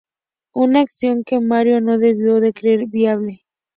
Una acción que Mario no debió de creer viable.